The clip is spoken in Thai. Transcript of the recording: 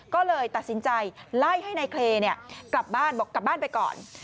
ก็เลยตัดสินใจไล่ให้นายเคกลับบ้านไปก่อน